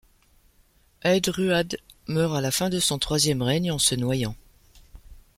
Áed Ruad meurt à la fin de son troisième règne en se noyant.